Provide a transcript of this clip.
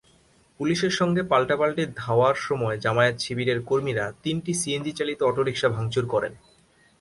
পুলিশের সঙ্গে পাল্টাপাল্টি ধাওয়ার সময় জামায়াত-শিবিরের কর্মীরা তিনটি সিএনজিচালিত অটোরিকশা ভাঙচুর করেন।